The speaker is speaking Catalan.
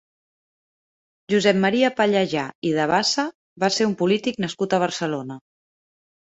Josep Maria Pallejà i de Bassa va ser un polític nascut a Barcelona.